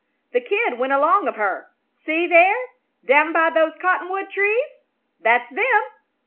The Kid went along of her. See, there down by those cottonwood trees? That's them."